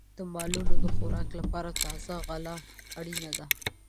د مالونو د خوراک لپاره تازه غله اړینه ده.